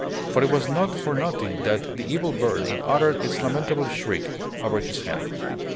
For it was not for nothing that the evil bird had uttered its lamentable shriek over his head.